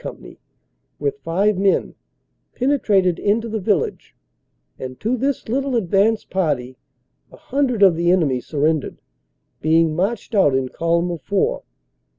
Company, with five men, penetrated into the village, and to this little advance party a hundred of the enemy surrendered, being marched out in column of four.